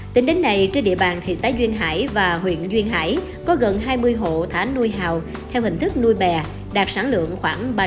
tính đến nay trên địa bàn thị xã duyên hải và huyện duyên hải có gần hai mươi hộ thả nuôi hào theo hình thức nuôi bè đạt sản lượng khoảng ba mươi